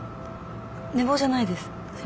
寝坊じゃないです。